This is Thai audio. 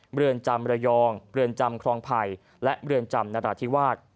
บริเวณจำระยองบริเวณจำคลองภัยและบริเวณจำนรธิวาส